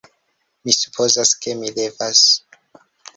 Mi supozas ke mi devas.